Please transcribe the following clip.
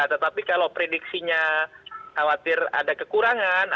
tetapi kalau prediksinya khawatir ada kekurangan